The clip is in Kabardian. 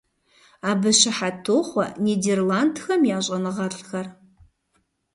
Абы щыхьэт тохъуэ Нидерландхэм я щӀэныгъэлӀхэр.